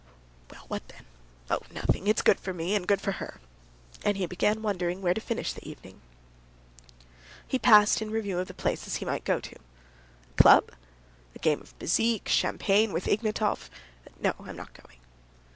"Well, what then? Oh, nothing. It's good for me, and good for her." And he began wondering where to finish the evening. He passed in review of the places he might go to. "Club? a game of bezique, champagne with Ignatov? No, I'm not going.